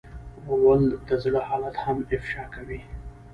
غول د زړه حالت هم افشا کوي.